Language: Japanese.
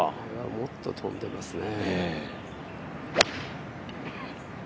もっと飛んでますね。